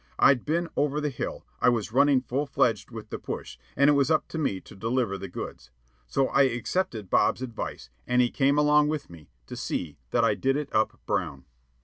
I'd been over the hill, I was running full fledged with the push, and it was up to me to deliver the goods. So I accepted Bob's advice, and he came along with me to see that I did it up brown.